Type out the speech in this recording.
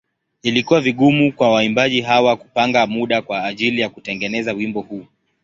Ilikuwa vigumu kwa waimbaji hawa kupanga muda kwa ajili ya kutengeneza wimbo huu.